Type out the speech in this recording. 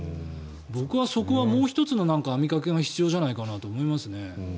僕はそこはもう１つの網掛けが必要じゃないかなと思いますね。